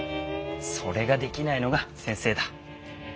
それができないのが先生だ。